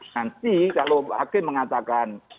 nanti kalau hakim mengatakan